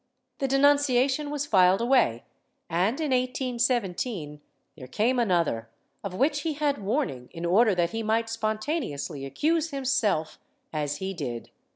The denunciation was filed away and, in 1817, there came another, of which he had warning in order that he might spontaneously accuse himself, as he did.